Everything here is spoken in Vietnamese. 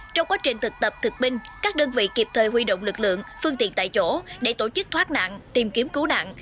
trong quá trình thực tập thực binh các đơn vị kịp thời huy động lực lượng phương tiện tại chỗ để tổ chức thoát nạn tìm kiếm cứu nạn